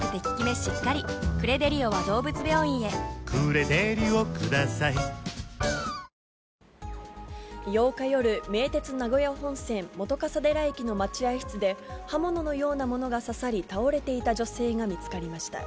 「ランドリーウォーターエアリス」新発売ハロー８日夜、名鉄名古屋本線本笠寺駅の待合室で、刃物のようなものが刺さり倒れていた女性が見つかりました。